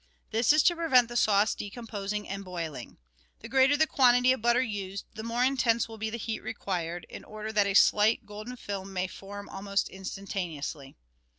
This is to prevent the sauce decomposing and boiling. The greater the quantity of butter used, the more intense will be the heat required, in Order that a slight golden film may form almost instantaneously.